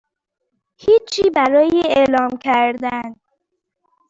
هیچی برای اعلام کردن